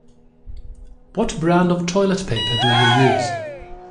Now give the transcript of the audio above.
What brand of toilet paper do you use?